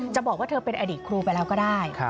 บอกว่าเธอเป็นอดีตครูไปแล้วก็ได้